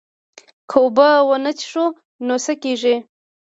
که اوبه ونه څښو نو څه کیږي